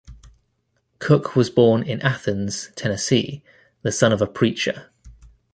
Cook was born in Athens, Tennessee, the son of a preacher.